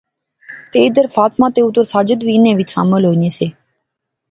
تہ ادھر فاطمہ تہ اُدھر ساجد وی انیں وچ شامل ہونے سے